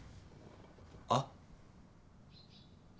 あっ。